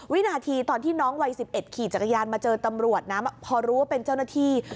วินาทีตอนที่น้องวัย๑๑ขี่จักรยานมาเจอตำรวจนะพอรู้ว่าเป็นเจ้าหน้าที่